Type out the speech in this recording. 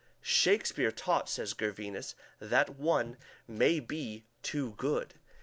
Shakespeare taught, says Gervinus, that one may be too good.